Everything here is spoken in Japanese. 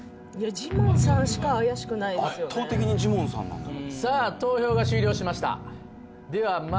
ジモンさんしか怪しくない圧倒的にジモンさんなんだよ